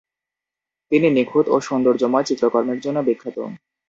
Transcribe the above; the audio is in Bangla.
তিনি নিখুঁত ও সৌন্দর্যময় চিত্রকর্মের জন্য বিখ্যাত।